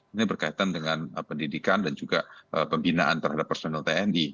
ini berkaitan dengan pendidikan dan juga pembinaan terhadap personel tni